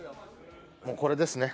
もうこれですね